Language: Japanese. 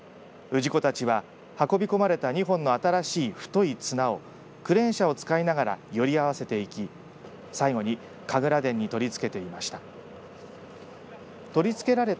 氏子たちは運び込まれた２本の新しい太い綱をクレーン車を使いながらより合わせていき最後に神楽殿に取り付けていました。